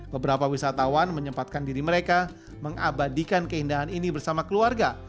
beberapa wisatawan menyempatkan diri mereka mengabadikan keindahan ini bersama keluarga